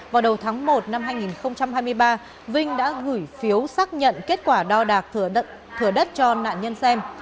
vào đầu tháng một năm hai nghìn hai mươi ba vinh đã gửi phiếu xác nhận kết quả đo đạc thừa đất cho nạn nhân xem